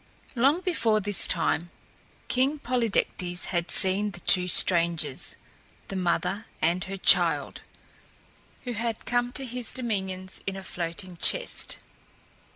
Long before this time King Polydectes had seen the two strangers the mother and her child who had come to his dominions in a floating chest.